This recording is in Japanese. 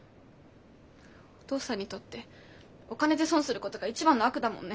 お父さんにとってお金で損するごどが一番の悪だもんね。